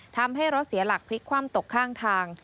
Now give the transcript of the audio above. ทำให้รถเสียหลักพลิกคว่ำตกข้างทาง